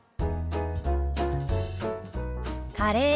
「カレー」。